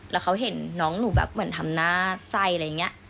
แล้วเขาเห็นน้องหนูแบบเหมือนทำหน้าไส้อะไรอย่างนี้